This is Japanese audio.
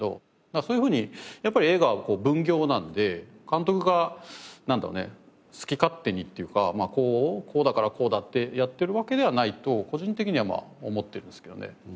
そういうふうにやっぱり映画は分業なので監督がなんだろうね好き勝手にっていうかこうだからこうだってやってるわけではないと個人的にはまあ思ってるんですけどね。